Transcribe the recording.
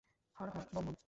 Har Har Bom ব্যোম!